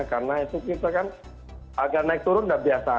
karena itu kita kan agak naik turun dan biasa